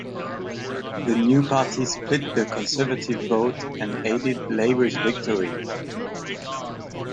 The new party split the conservative vote and aided Labour's victory.